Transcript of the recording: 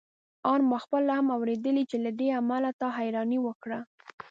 آن ما خپله هم اورېدې چې له دې امله تا حيراني وکړه.